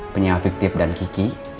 penyiafiktif dan kiki